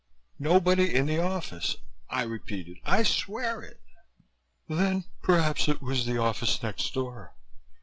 "Nobody in the office," I repeated. "I swear it." "Then perhaps it was the office next door.